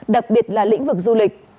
đặc biệt là lĩnh vực du lịch